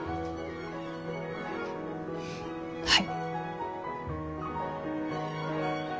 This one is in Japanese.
はい。